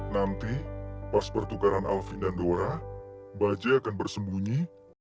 nanti pas pertukaran alvin dan dora bajai akan bersembunyi